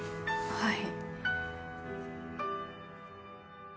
はい。